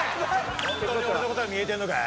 ホントに俺のことが見えてんのか？